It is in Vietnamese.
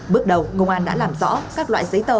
bước đầu công an đã làm rõ các loại giấy tờ